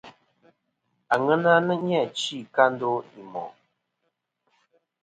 Àŋena nà chi kɨ a ndo i mòʼ.